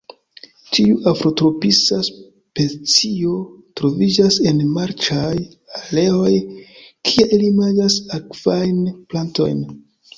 Tiu afrotropisa specio troviĝas en marĉaj areoj kie ili manĝas akvajn plantojn.